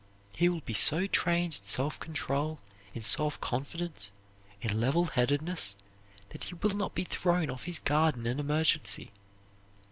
He will be so trained in self control, in self confidence, in level headedness, that he will not be thrown off his guard in an emergency.